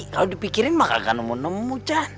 kalau dipikirin maka gak akan nemu nemu can